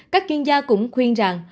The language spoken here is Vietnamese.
các chuyên gia cũng khuyên rằng